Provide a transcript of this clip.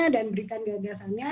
dan berikan gagasannya